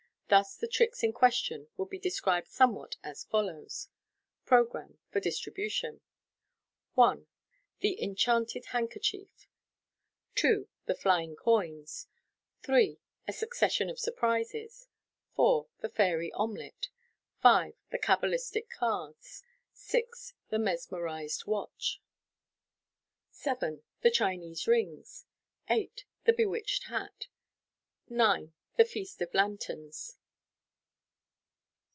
Thus the tricks in question would be described somewhat as follows j ~ Programme (for distribution). 1. The Enchanted Handkerchief, t. The Flying Coins. 3. A Succession of Surprises. 4. The Fairy Omelet 5. The Cabalistic Cards. 6. The Mesmerised Watch. 7. The Chinese Rings. 8. The Bewitched Hat 9. The Feast of Lanterns.